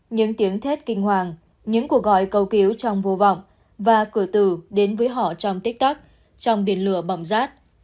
những tiếng thét kinh hoàng những cuộc gọi cầu cứu trong vô vọng và cửa tử đến với họ trong tích tắc trong biển lửa bỏng rát